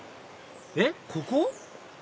えっここ？